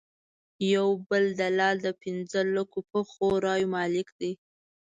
یو بل دلال د پنځه لکه پخو رایو مالک دی.